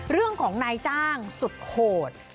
เรื่องของนายจ้างสุดโหด